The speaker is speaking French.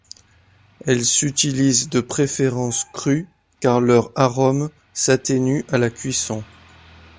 Elles s'utilisent de préférence crues car leur arôme s'atténue à la cuisson.